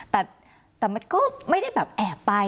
แต่มันก็ไม่ได้แบบแอบไป